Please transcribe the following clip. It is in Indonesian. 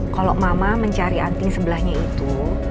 kalau mama mencari anting sebelahnya itu